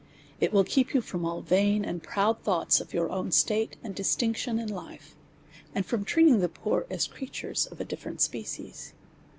It will keep you from all vain and proud thoughts of your own state and distinction in life, and from treating the poor as creatures of a different species.